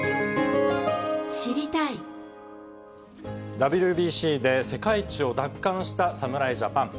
ＷＢＣで世界一を奪還した侍ジャパン。